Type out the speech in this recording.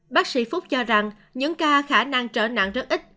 bác sĩ phúc cho rằng những ca khả năng trở nặng rất ít